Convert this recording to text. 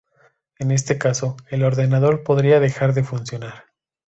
En este caso, el ordenador podría dejar de funcionar.